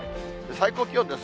最高気温です。